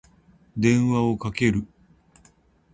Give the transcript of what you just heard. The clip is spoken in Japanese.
電話をかける。